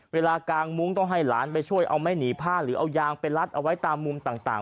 กลางมุ้งต้องให้หลานไปช่วยเอาไม่หนีผ้าหรือเอายางไปรัดเอาไว้ตามมุมต่าง